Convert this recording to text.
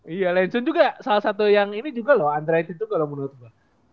iya lensun juga salah satu yang ini juga loh underrated juga loh menurut bu